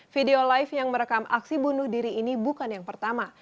video live yang merekam aksi bunuh diri ini bukan yang pertama